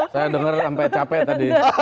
saya dengar sampai capek tadi